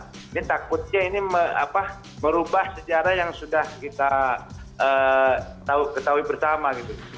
jadi takutnya ini merubah sejarah yang sudah kita ketahui bersama